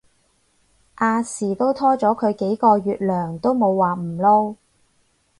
亞視都拖咗佢幾個月糧都冇話唔撈